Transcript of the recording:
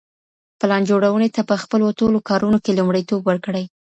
پلان جوړوني ته په خپلو ټولو کارونو کي لومړیتوب ورکړئ.